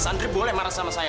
mas andre boleh marah sama saya